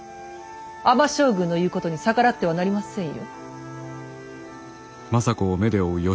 尼将軍の言うことに逆らってはなりませんよ。